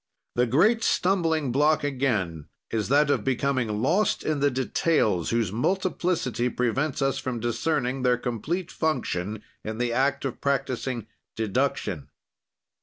"The great stumbling block again is that of becoming lost in the details whose multiplicity prevents us from discerning their complete function in the act of practising deduction.